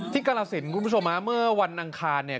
กรสินคุณผู้ชมฮะเมื่อวันอังคารเนี่ย